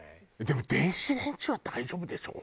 でも電子レンジは大丈夫でしょ？